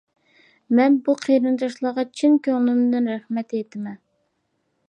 مەن بۇ قېرىنداشلارغا چىن كۆڭلۈمدىن رەھمەت ئېيتىمەن.